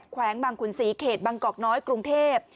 แขวงบางขุนศรีเขตบางกอกน้อยกรุงเทพ